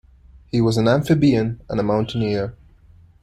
He was an amphibian and a mountaineer.